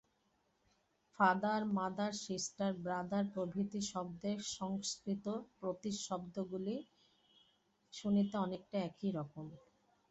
Father mother, sister brother প্রভৃতি শব্দের সংস্কৃত প্রতিশব্দগুলি শুনিতে অনেকটা একই রকম।